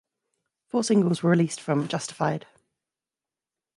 Four singles were released from "Justified".